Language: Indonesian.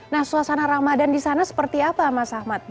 nah suasana ramadan di sana seperti apa mas ahmad